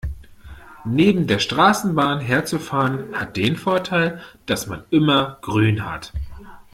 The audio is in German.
Neben der Straßenbahn herzufahren, hat den Vorteil, dass man immer grün hat.